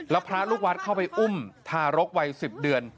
แล้วพระลูกวัดเข้าไปอุ้มทารกวัย๑๐เดือน